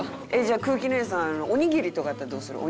じゃあ空気姉さんおにぎりとかやったらどうする？